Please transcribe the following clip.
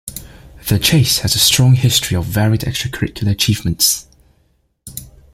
The Chase has a strong history of varied extra-curricular achievements.